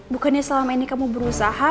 bukannya selama ini kamu berusaha